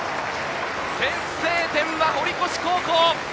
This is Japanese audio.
先制点は堀越高校！